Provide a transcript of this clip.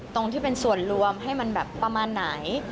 ตรงที่เป็นส่วนรวมให้มันแบบประมาณไหน